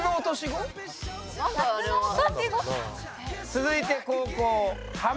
続いて後攻濱家。